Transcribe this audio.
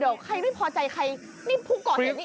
เดี๋ยวใครไม่พอใจใครนี่พุกก่อน